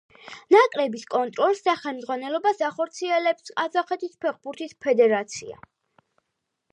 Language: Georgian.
ნაკრების კონტროლს და ხელმძღვანელობას ახორციელებს ყაზახეთის ფეხბურთის ფედერაცია.